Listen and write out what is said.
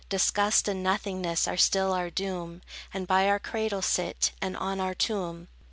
Disgust and nothingness are still our doom, And by our cradle sit, and on our tomb.